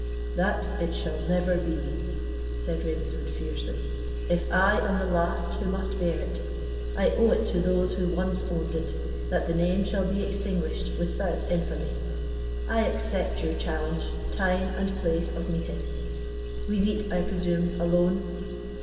"That it shall never be," said Ravenswood, fiercely; "if I am the last who must bear it, I owe it to those who once owned it that the name shall be extinguished without infamy. I accept your challenge, time, and place of meeting. We meet, I presume, alone?"